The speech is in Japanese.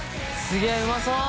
すげぇうまそう！